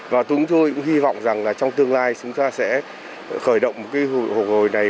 và chúng tôi cũng hy vọng rằng trong tương lai chúng ta sẽ khởi động một hội hồi này